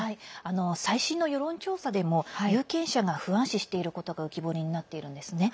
最新の世論調査でも有権者が不安視していることが浮き彫りになっているんですね。